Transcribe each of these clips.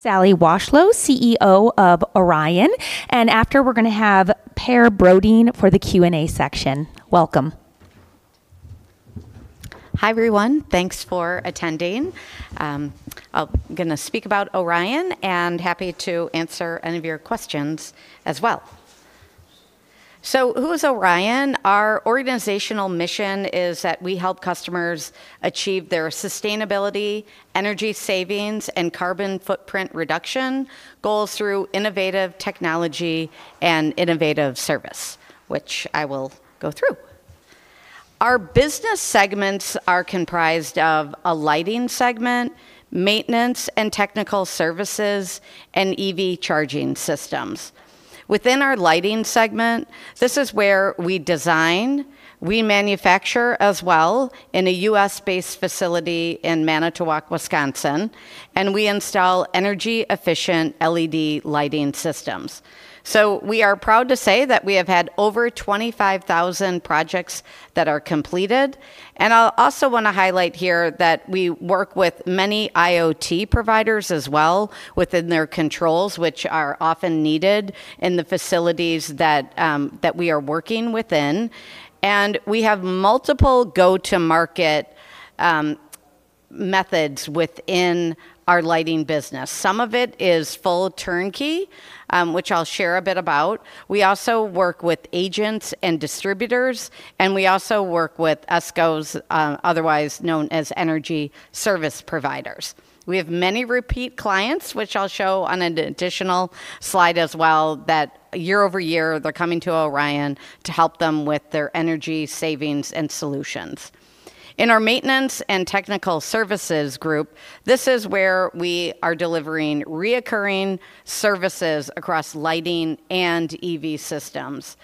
Sally Washlow, CEO of Orion, and after we're gonna have Per Brodin for the Q&A section. Welcome. Hi, everyone. Thanks for attending. I'm gonna speak about Orion and happy to answer any of your questions as well. Who is Orion? Our organizational mission is that we help customers achieve their sustainability, energy savings, and carbon footprint reduction goals through innovative technology and innovative service, which I will go through. Our business segments are comprised of a lighting segment, maintenance and technical services, and EV charging systems. Within our lighting segment, this is where we design, we manufacture as well in a U.S.-based facility in Manitowoc, Wisconsin, and we install energy-efficient LED lighting systems. We are proud to say that we have had over 25,000 projects that are completed, and I'll also wanna highlight here that we work with many IoT providers as well within their controls, which are often needed in the facilities that we are working within. We have multiple go-to-market methods within our lighting business. Some of it is full turnkey, which I'll share a bit about. We also work with agents and distributors, and we also work with ESCOs, otherwise known as energy service providers. We have many repeat clients, which I'll show on an additional slide as well, that year-over-year, they're coming to Orion to help them with their energy savings and solutions. In our maintenance and technical services group, this is where we are delivering reoccurring services across lighting and EV systems.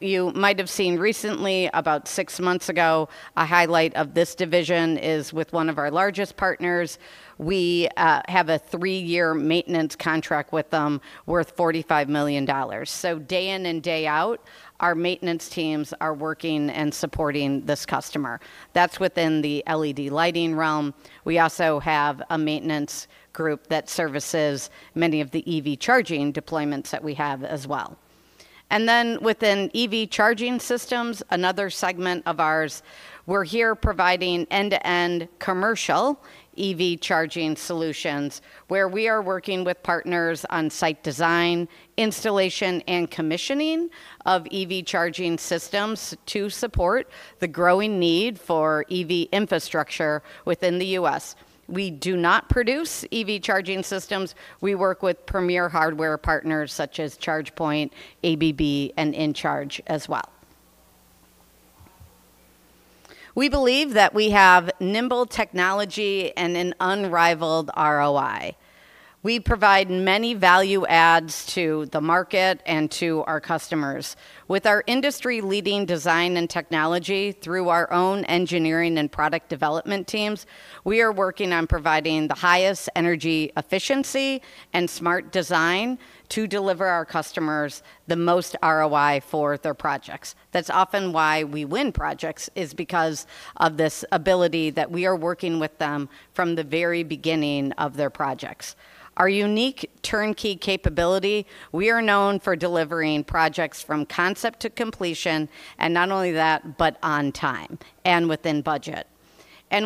You might have seen recently, about six months ago, a highlight of this division is with one of our largest partners. We have a three-year maintenance contract with them worth $45 million. Day in and day out, our maintenance teams are working and supporting this customer. That's within the LED lighting realm. We also have a maintenance group that services many of the EV charging deployments that we have as well. Within EV charging systems, another segment of ours, we're here providing end-to-end commercial EV charging solutions where we are working with partners on site design, installation, and commissioning of EV charging systems to support the growing need for EV infrastructure within the U.S. We do not produce EV charging systems. We work with premier hardware partners such as ChargePoint, ABB, and InCharge as well. We believe that we have nimble technology and an unrivaled ROI. We provide many value adds to the market and to our customers. With our industry-leading design and technology through our own engineering and product development teams, we are working on providing the highest energy efficiency and smart design to deliver our customers the most ROI for their projects. That's often why we win projects, is because of this ability that we are working with them from the very beginning of their projects. Our unique turnkey capability, we are known for delivering projects from concept to completion, not only that, but on time and within budget.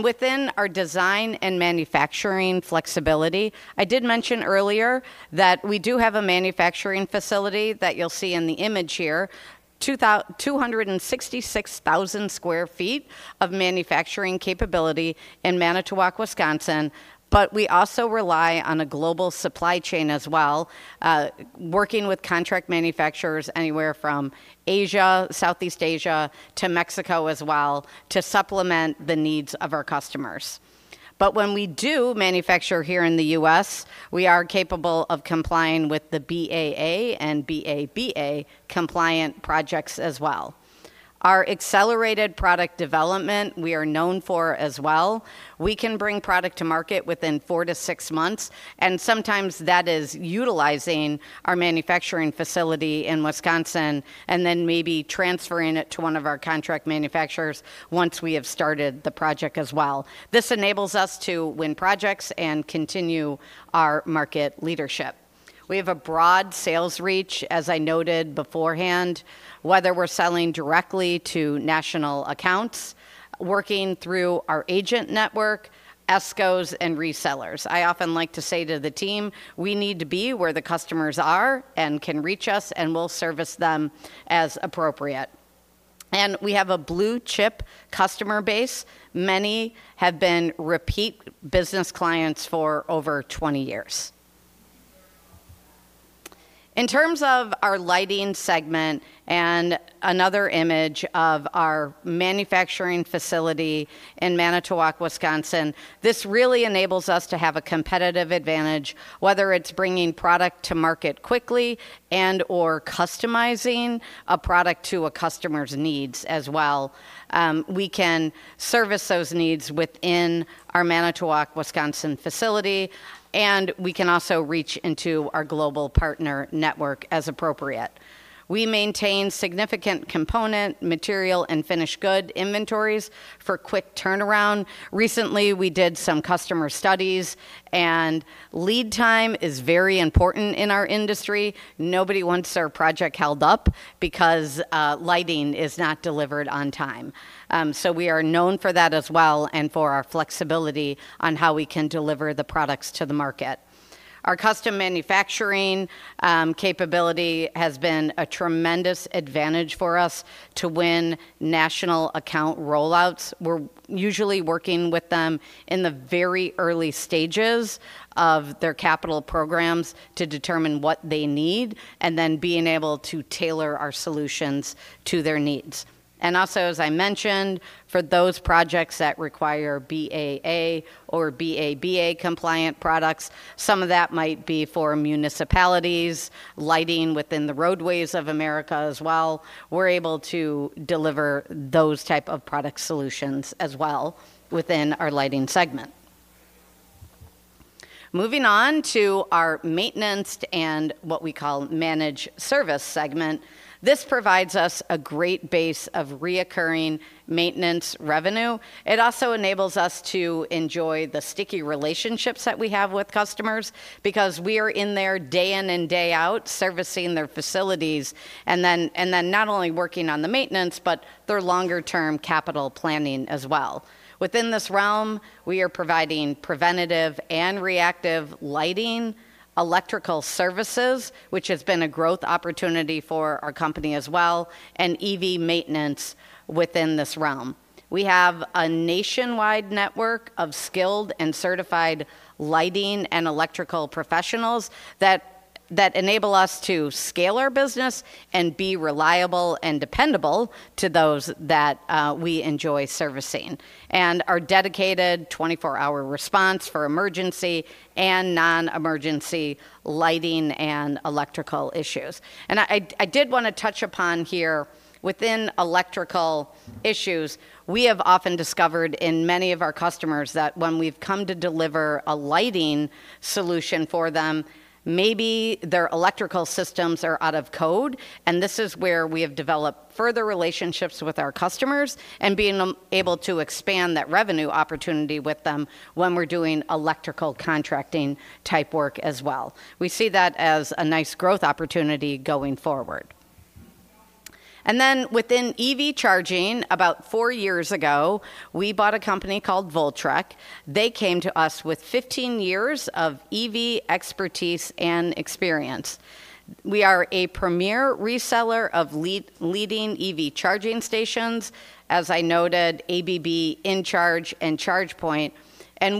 Within our design and manufacturing flexibility, I did mention earlier that we do have a manufacturing facility that you'll see in the image here, 266,000 sq ft of manufacturing capability in Manitowoc, Wisconsin, but we also rely on a global supply chain as well, working with contract manufacturers anywhere from Asia, Southeast Asia, to Mexico as well to supplement the needs of our customers. When we do manufacture here in the U.S., we are capable of complying with the BAA and BABA-compliant projects as well. Our accelerated product development, we are known for as well. We can bring product to market within four to six months, and sometimes that is utilizing our manufacturing facility in Wisconsin and then maybe transferring it to one of our contract manufacturers once we have started the project as well. This enables us to win projects and continue our market leadership. We have a broad sales reach, as I noted beforehand, whether we're selling directly to national accounts, working through our agent network, ESCOs, and resellers. I often like to say to the team, we need to be where the customers are and can reach us, and we'll service them as appropriate. We have a blue-chip customer base. Many have been repeat business clients for over 20 years. In terms of our lighting segment and another image of our manufacturing facility in Manitowoc, Wisconsin, this really enables us to have a competitive advantage, whether it's bringing product to market quickly and/or customizing a product to a customer's needs as well. We can service those needs within our Manitowoc, Wisconsin facility, and we can also reach into our global partner network as appropriate. We maintain significant component, material, and finished good inventories for quick turnaround. Recently, we did some customer studies, and lead time is very important in our industry. Nobody wants their project held up because lighting is not delivered on time. We are known for that as well and for our flexibility on how we can deliver the products to the market. Our custom manufacturing capability has been a tremendous advantage for us to win national account rollouts. We're usually working with them in the very early stages of their capital programs to determine what they need, then being able to tailor our solutions to their needs. Also, as I mentioned, for those projects that require BAA or BABA-compliant products, some of that might be for municipalities, lighting within the roadways of America as well. We're able to deliver those type of product solutions as well within our lighting segment. Moving on to our maintenance and what we call managed service segment, this provides us a great base of recurring maintenance revenue. It also enables us to enjoy the sticky relationships that we have with customers, because we are in there day in and day out servicing their facilities, and then not only working on the maintenance, but their longer term capital planning as well. Within this realm, we are providing preventative and reactive lighting, electrical services, which has been a growth opportunity for our company as well, and EV maintenance within this realm. We have a nationwide network of skilled and certified lighting and electrical professionals that enable us to scale our business and be reliable and dependable to those that we enjoy servicing. Our dedicated 24-hour response for emergency and non-emergency lighting and electrical issues. I did wanna touch upon here, within electrical issues, we have often discovered in many of our customers that when we've come to deliver a lighting solution for them, maybe their electrical systems are out of code, and this is where we have developed further relationships with our customers and being able to expand that revenue opportunity with them when we're doing electrical contracting type work as well. We see that as a nice growth opportunity going forward. Within EV charging, about four years ago, we bought a company called Voltrek. They came to us with 15 years of EV expertise and experience. We are a premier reseller of leading EV charging stations, as I noted, ABB, InCharge, and ChargePoint.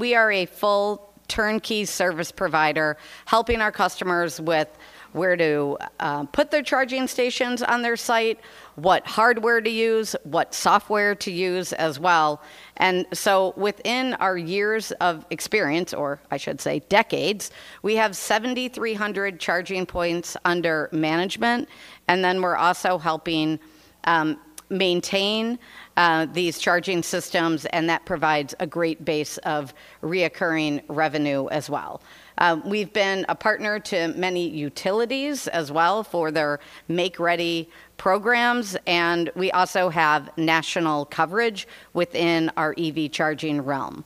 We are a full turnkey service provider, helping our customers with where to put their charging stations on their site, what hardware to use, what software to use as well. Within our years of experience, or I should say decades, we have 7,300 charging points under management, and then we're also helping maintain these charging systems, and that provides a great base of recurring revenue as well. We've been a partner to many utilities as well for their make-ready programs, and we also have national coverage within our EV charging realm.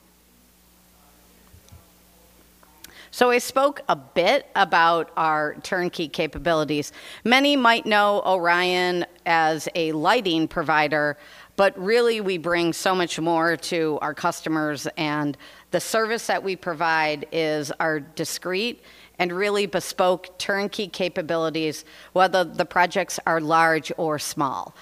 I spoke a bit about our turnkey capabilities. Many might know Orion as a lighting provider, but really we bring so much more to our customers, and the service that we provide is our discreet and really bespoke turnkey capabilities, whether the projects are large or small.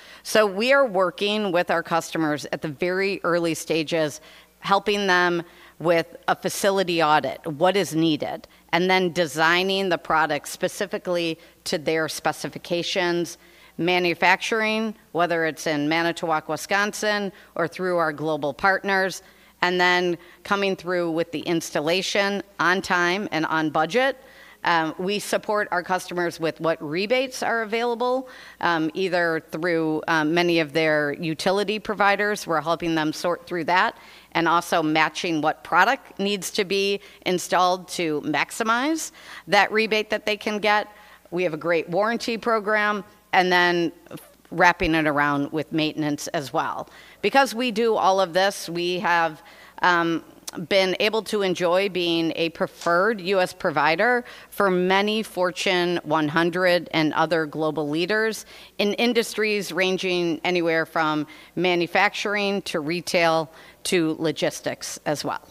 We are working with our customers at the very early stages, helping them with a facility audit, what is needed, and then designing the product specifically to their specifications, manufacturing, whether it's in Manitowoc, Wisconsin, or through our global partners, and then coming through with the installation on time and on budget. We support our customers with what rebates are available, either through many of their utility providers. We're helping them sort through that and also matching what product needs to be installed to maximize that rebate that they can get. We have a great warranty program, wrapping it around with maintenance as well. Because we do all of this, we have been able to enjoy being a preferred U.S. provider for many Fortune 100 and other global leaders in industries ranging anywhere from manufacturing to retail to logistics as well.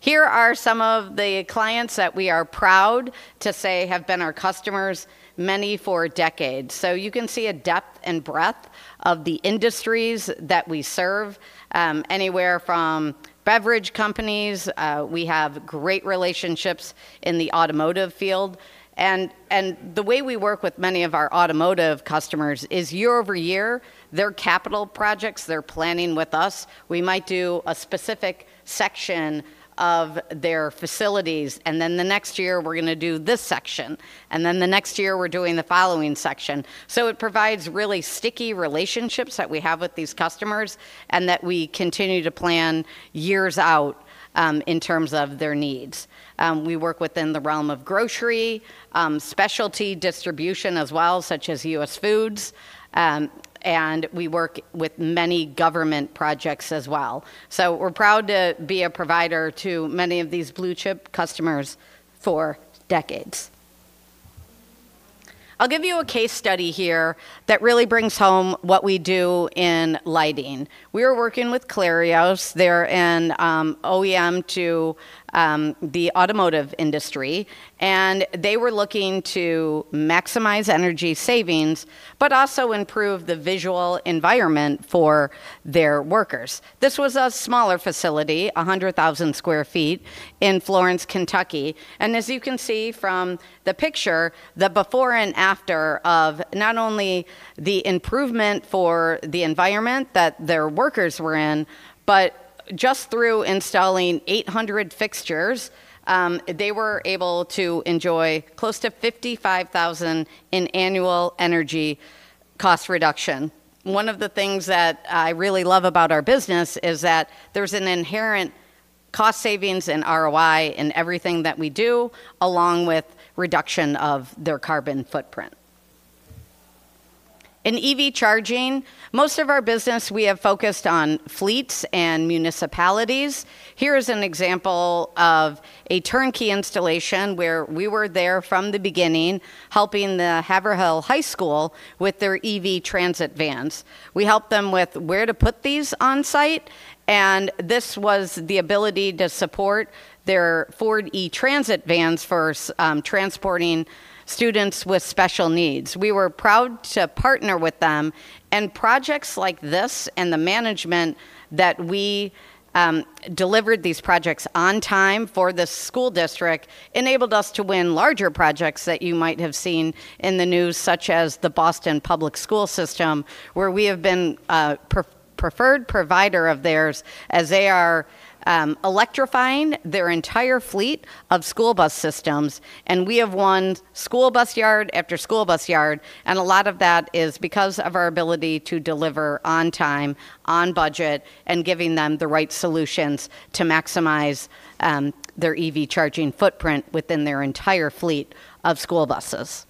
Here are some of the clients that we are proud to say have been our customers, many for decades. You can see a depth and breadth of the industries that we serve, anywhere from beverage companies, we have great relationships in the automotive field. The way we work with many of our automotive customers is year-over-year, their capital projects, they're planning with us. We might do a specific section of their facilities, the next year we're going to do this section, the next year we're doing the following section. It provides really sticky relationships that we have with these customers and that we continue to plan years out in terms of their needs. We work within the realm of grocery, specialty distribution as well, such as US Foods, and we work with many government projects as well. We're proud to be a provider to many of these blue-chip customers for decades. I'll give you a case study here that really brings home what we do in lighting. We are working with Clarios. They're an OEM to the automotive industry, and they were looking to maximize energy savings, but also improve the visual environment for their workers. This was a smaller facility, 100,000 sq ft, in Florence, Kentucky. As you can see from the picture, the before and after of not only the improvement for the environment that their workers were in, but just through installing 800 fixtures, they were able to enjoy close to $55,000 in annual energy cost reduction. One of the things that I really love about our business is that there's an inherent cost savings in ROI in everything that we do, along with reduction of their carbon footprint. In EV charging, most of our business we have focused on fleets and municipalities. Here is an example of a turnkey installation where we were there from the beginning, helping the Haverhill High School with their EV Transit vans. We helped them with where to put these on site, and this was the ability to support their Ford E-Transit vans for transporting students with special needs. We were proud to partner with them. Projects like this and the management that we delivered these projects on time for the school district enabled us to win larger projects that you might have seen in the news, such as the Boston Public Schools system, where we have been a preferred provider of theirs as they are electrifying their entire fleet of school bus systems. We have won school bus yard after school bus yard, and a lot of that is because of our ability to deliver on time, on budget, and giving them the right solutions to maximize their EV charging footprint within their entire fleet of school buses.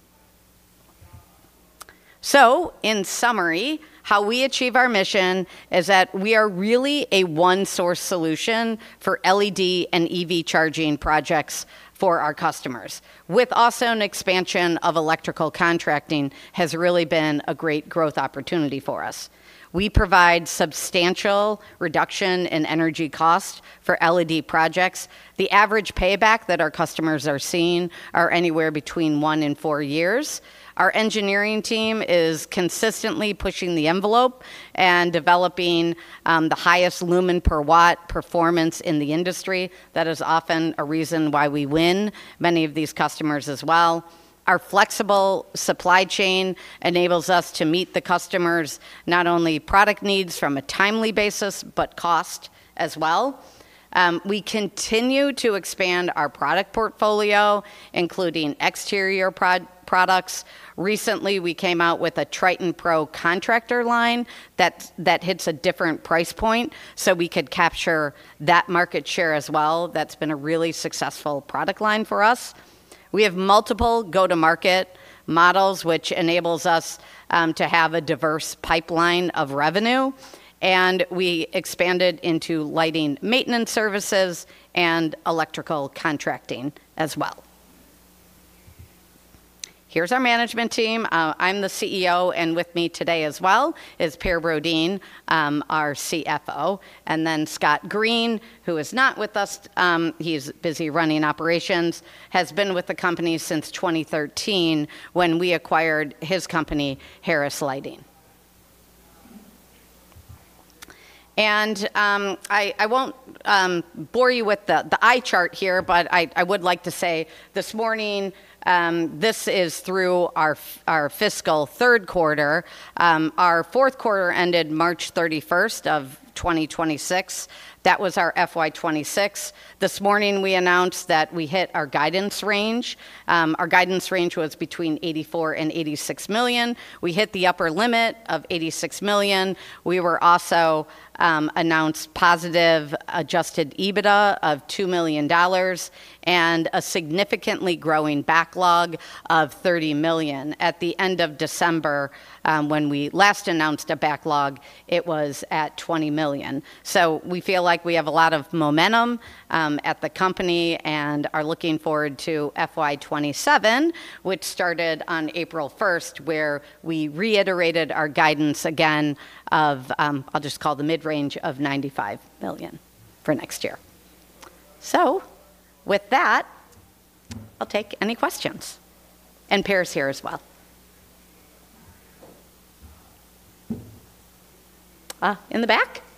In summary, how we achieve our mission is that we are really a one-source solution for LED and EV charging projects for our customers, with also an expansion of electrical contracting has really been a great growth opportunity for us. We provide substantial reduction in energy cost for LED projects. The average payback that our customers are seeing are anywhere between one and four years. Our engineering team is consistently pushing the envelope and developing the highest lumen per watt performance in the industry. That is often a reason why we win many of these customers as well. Our flexible supply chain enables us to meet the customer's not only product needs from a timely basis, but cost as well. We continue to expand our product portfolio, including exterior products. Recently, we came out with a TritonPro contractor line that hits a different price point, we could capture that market share as well. That's been a really successful product line for us. We have multiple go-to-market models, which enables us to have a diverse pipeline of revenue, we expanded into lighting maintenance services and electrical contracting as well. Here's our management team. I'm the CEO, with me today as well is Per Brodin, our CFO. Scott Green, who is not with us, he's busy running operations, has been with the company since 2013 when we acquired his company, Harris Lighting. I won't bore you with the eye chart here, I would like to say this morning, this is through our fiscal third quarter. Our fourth quarter ended March 31st of 2026. That was our FY 2026. This morning we announced that we hit our guidance range. Our guidance range was between $84 million and $86 million. We hit the upper limit of $86 million. We were also announced positive adjusted EBITDA of $2 million and a significantly growing backlog of $30 million. At the end of December, when we last announced a backlog, it was at $20 million. We feel like we have a lot of momentum at the company and are looking forward to FY 2027, which started on April 1st, where we reiterated our guidance again of, I'll just call the mid-range of $95 million for next year. With that, I'll take any questions. Per's here as well. In the back? Yeah. You said you work with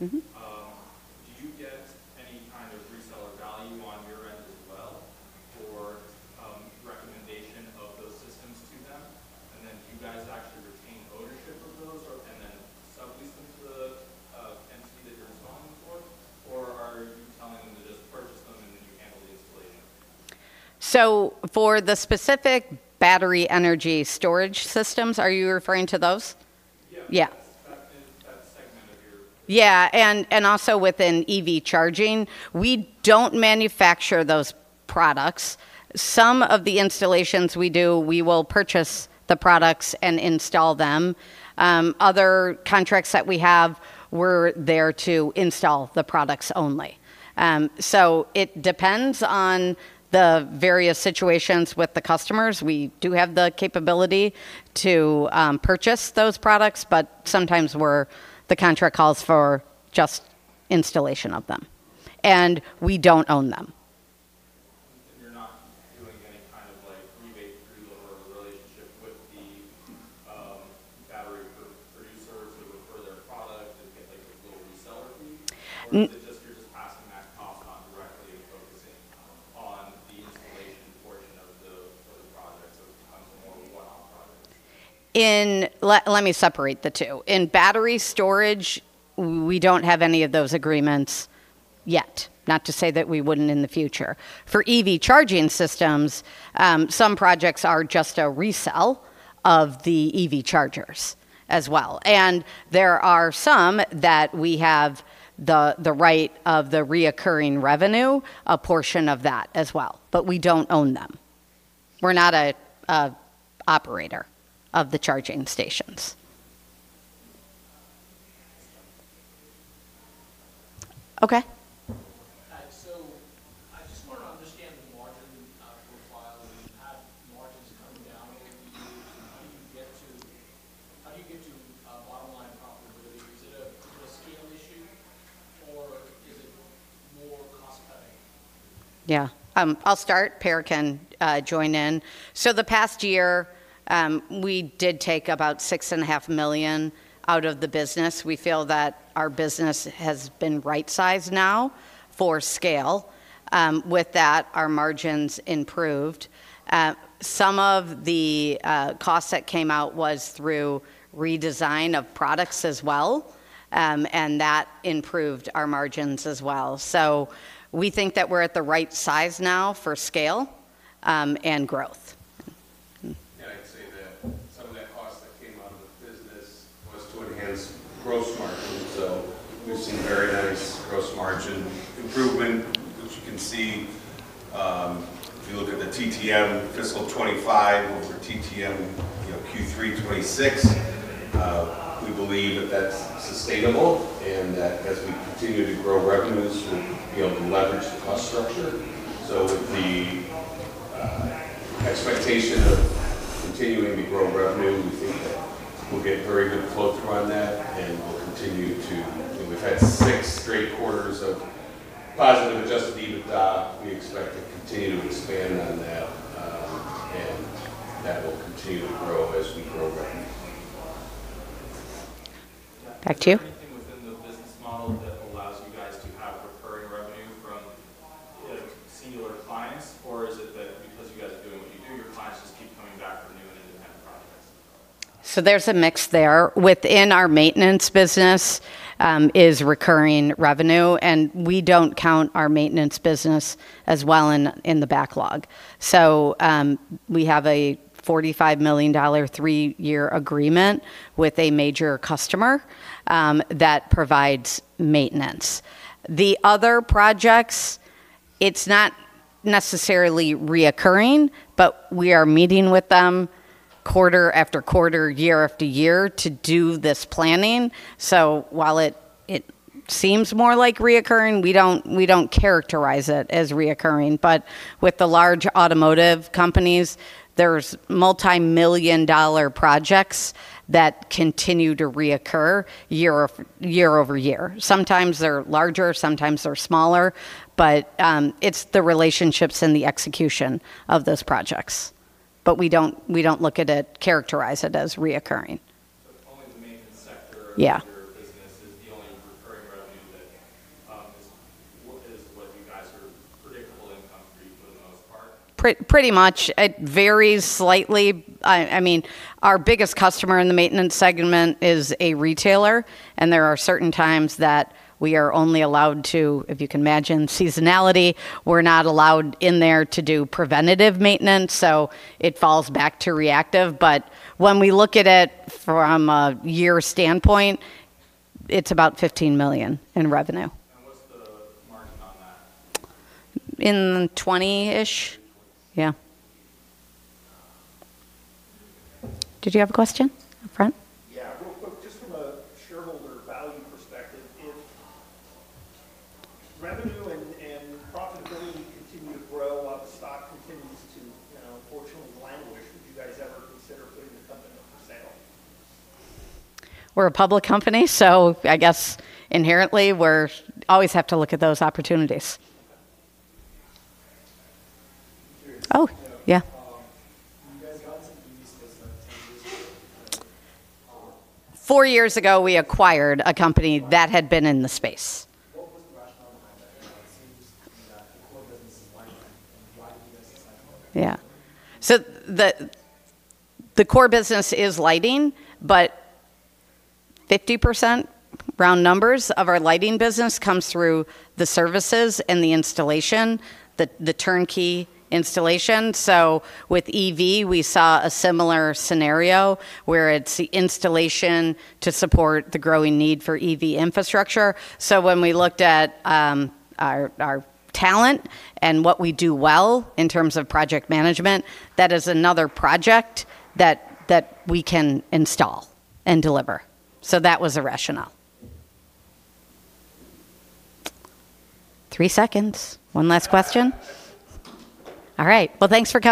different companies for the battery installation for the EV systems and putting those all together. Do you get any kind of reseller value on your end as well for recommendation of those systems to them? Do you guys actually retain ownership of those or, and then sublease them to the entity that you're installing for? Are you telling them to just purchase them and then you handle the installation? For the specific battery energy storage systems, are you referring to those? Yeah. Yeah, also within EV charging, we don't manufacture those products. Some of the installations we do, we will purchase the products and install them. Other contracts that we have, we're there to install the products only. It depends on the various situations with the customers. We do have the capability to purchase those products, but sometimes the contract calls for just installation of them, and we don't own them. You're not doing any kind of, like, rebate through or a relationship with the battery producer to refer their product and get, like, a little reseller fee? Is it just you're just passing that cost on directly and focusing on the installation portion of the, of the project, so it becomes a more one-off project? Let me separate the two. In battery storage, we don't have any of those agreements yet, not to say that we wouldn't in the future. For EV charging systems, some projects are just a resell of the EV chargers as well. There are some that we have the right of the reoccurring revenue, a portion of that as well. We don't own them. We're not a operator of the charging stations. Okay. I just wanna understand the margin profile. Have margins come down over the years? How do you get to bottom line profitability? Is it a scale issue, or is it more cost-cutting? Yeah. I'll start. Per can join in. The past year, we did take about six and a half million out of the business. We feel that our business has been right-sized now for scale. With that, our margins improved. Some of the costs that came out was through redesign of products as well, that improved our margins as well. We think that we're at the right size now for scale and growth. I'd say that some of that cost that came out of the business was to enhance gross margin. We've seen very nice gross margin improvement, which you can see, if you look at the TTM FY 2025 over TTM, you know, Q3 2026. We believe that that's sustainable and that as we continue to grow revenues, we'll be able to leverage the cost structure. With the expectation of continuing to grow revenue, we think that we'll get very good flow-through on that, and we'll continue to You know, we've had six straight quarters of positive adjusted EBITDA. We expect to continue to expand on that, and that will continue to grow as we grow revenue. Back to you. Is there anything within the business model that allows you guys to have recurring revenue from, like, singular clients? Is it that because you guys are doing what you do, your clients just keep coming back for new and independent projects? There's a mix there. Within our maintenance business is recurring revenue, and we don't count our maintenance business as well in the backlog. We have a $45 million three-year agreement with a major customer that provides maintenance. The other projects, it's not necessarily recurring, but we are meeting with them quarter after quarter, year after year to do this planning. While it seems more like recurring, we don't characterize it as recurring. With the large automotive companies, there's multi-million dollar projects that continue to recur year-over-year. Sometimes they're larger, sometimes they're smaller, but it's the relationships and the execution of those projects. We don't look at it, characterize it as recurring. Only the maintenance sector. Yeah of your business is the only recurring revenue that is what you guys are predictable income for you for the most part? Pretty much. It varies slightly. I mean, our biggest customer in the maintenance segment is a retailer, and there are certain times that we are only allowed to, if you can imagine seasonality, we're not allowed in there to do preventative maintenance, so it falls back to reactive. When we look at it from a year standpoint, it's about $15 million in revenue. What's the margin on that? In 20-ish. Mid-20s. Yeah. Did you have a question up front? Yeah. Real quick, just from a shareholder value perspective, if revenue and profitability continue to grow while the stock continues to, you know, fortunately languish, would you guys ever consider putting the company up for sale? We're a public company. I guess inherently always have to look at those opportunities. Okay. Oh, yeah. You guys got into the EV space like 10 years ago. Four years ago, we acquired a company that had been in the space. What was the rationale behind that? It seems to me that the core business is lighting. Why did you guys decide to go that route? Yeah. The core business is lighting, but 50%, round numbers, of our lighting business comes through the services and the installation, the turnkey installation. With EV, we saw a similar scenario where it's the installation to support the growing need for EV infrastructure. When we looked at our talent and what we do well in terms of project management, that is another project that we can install and deliver. That was the rationale. Three seconds. One last question? All right. Well, thanks for coming.